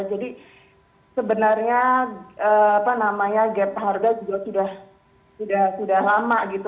jadi sebenarnya gap harga juga sudah lama gitu